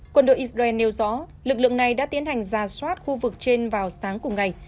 quân đội israel nêu rõ lực lượng này đã tiến hành ra soát khu vực trên vào sáng cùng ngày